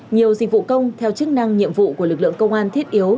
nhiều dịch vụ công theo chức năng nhiệm vụ của lực lượng công an thiết yếu